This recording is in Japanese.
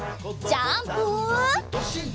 ジャンプ！